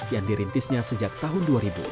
yang dirintisnya sejak tahun dua ribu